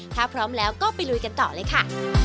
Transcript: ถ้าพร้อมแล้วก็ไปลุยกันต่อเลยค่ะ